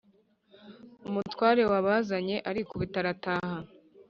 umutware wabazanye arikubita arataha